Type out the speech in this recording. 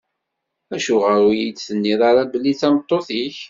Acuɣer ur yi-d-tenniḍ ara belli d tameṭṭut-ik?